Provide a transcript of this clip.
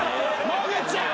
もぐちゃん！